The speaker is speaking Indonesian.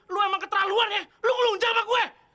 lu emang keterlaluan ya lu ngelunjang sama gue